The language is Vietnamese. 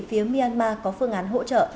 phía myanmar có phương án hỗ trợ